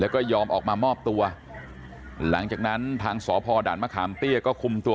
แล้วก็ยอมออกมามอบตัวหลังจากนั้นทางสพด่านมะขามเตี้ยก็คุมตัว